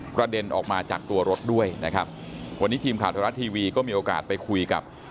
เด็นออกมาจากตัวรถด้วยนะครับวันนี้ทีมข่าวไทยรัฐทีวีก็มีโอกาสไปคุยกับ